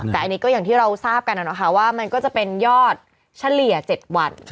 แต่อันนี้ก็อย่างที่เราทราบกันนะคะว่ามันก็จะเป็นยอดเฉลี่ย๗วัน